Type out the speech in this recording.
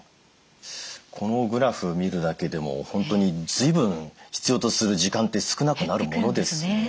このグラフ見るだけでも本当に随分必要とする時間って少なくなるものですね。